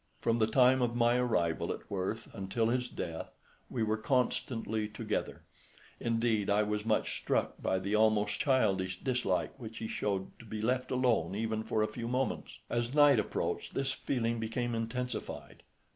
From the time of my arrival at Worth until his death we were constantly together; indeed I was much struck by the almost childish dislike which he showed to be left alone even for a few moments. As night approached this feeling became intensified.